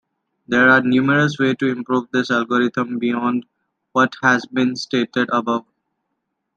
There are numerous ways to improve this algorithm beyond what has been stated above.